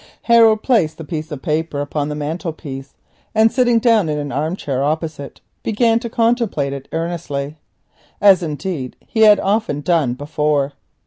Harold placed the piece of paper upon the mantelpiece, and sitting down in an arm chair opposite began to contemplate it earnestly, as indeed he had often done before.